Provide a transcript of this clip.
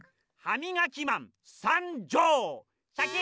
ハミガキマンさんじょう！